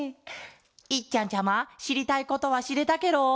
いっちゃんちゃましりたいことはしれたケロ？